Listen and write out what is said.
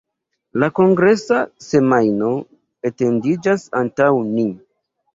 La kongresa semajno etendiĝas antaŭ ni.